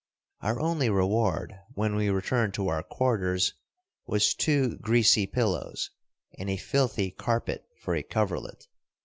Our only reward, when we returned to our quarters, was two greasy pillows and a filthy carpet for a coverlet.